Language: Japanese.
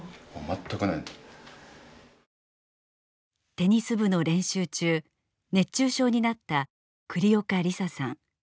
テニス部の練習中熱中症になった栗岡梨沙さん。